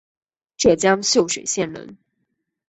浙江秀水县人。